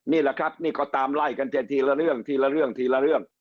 นี่แหละครับนี่ก็ตามไล่กันจะทีละเรื่องทีละเรื่องทีละเรื่อง